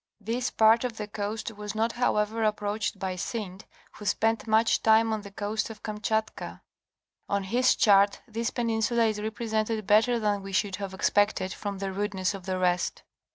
This part of the coast was not however approached by Synd, who spent much time on the coast of Kamchatka. On his chart this peninsula is repre _ sented better than we should have expected from the rudeness of the rést.